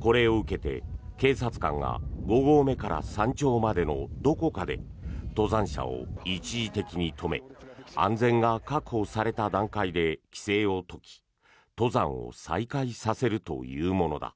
これを受けて警察官が５合目から山頂までのどこかで登山者を一時的に止め安全が確保された段階で規制を解き登山を再開させるというものだ。